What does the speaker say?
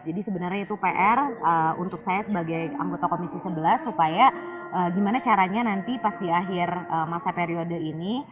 jadi sebenarnya itu pr untuk saya sebagai anggota komisi sebelas supaya gimana caranya nanti pas di akhir masa periode ini